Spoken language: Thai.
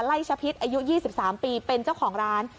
ชะพิษอายุ๒๓ปีเป็นเจ้าของร้าน